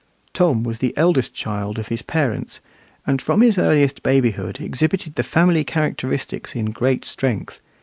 Tom was the eldest child of his parents, and from his earliest babyhood exhibited the family characteristics in great strength.